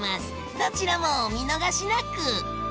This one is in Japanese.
どちらもお見逃しなく！